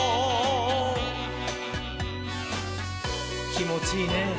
きもちいいねぇ。